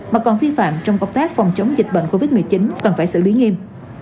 mà còn vi phạm trong công tác phòng chống dịch bệnh covid một mươi chín cần phải xử lý nghiêm